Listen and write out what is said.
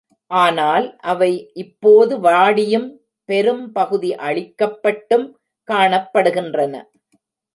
ஆனால் அவை இப்போது வாடியும், பெரும் பகுதி அழிக்கப்பட்டும் காணப்படுகின்றன.